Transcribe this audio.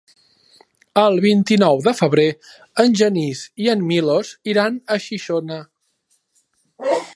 El vint-i-nou de febrer en Genís i en Milos iran a Xixona.